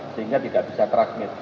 sehingga tidak bisa transmit